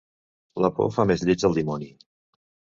La por fa més lleig el dimoni.